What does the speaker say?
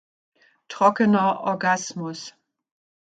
Trockener Orgasmus